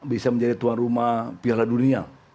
bisa menjadi tuan rumah piala dunia